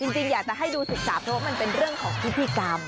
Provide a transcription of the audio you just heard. จริงอยากจะให้ดูศึกษาเพราะว่ามันเป็นเรื่องของพิธีกรรม